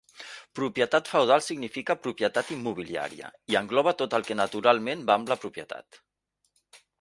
Propietat feudal significa propietat immobiliària, i engloba tot el que naturalment va amb la propietat.